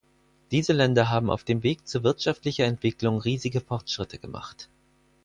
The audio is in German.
Diese Länder haben auf dem Weg zu wirtschaftlicher Entwicklung riesige Fortschritte gemacht.